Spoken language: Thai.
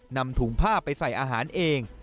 นำถุงผ้าไปใส่อาหารเอง